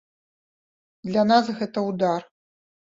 Для нас гэта ўдар.